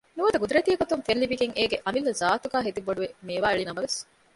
ނުވަތަ ގުދުރަތީގޮތުން ފެންލިބިގެން އޭގެ އަމިއްލަ ޒާތުގައި ހެދިބޮޑުވެ މޭވާއެޅިނަމަވެސް